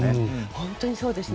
本当にそうですね。